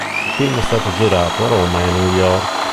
Il film è stato girato a Roma e a New York.